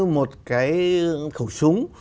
một cái khẩu súng